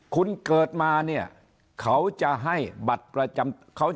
คุณเกิดมาเขาจะให้เลข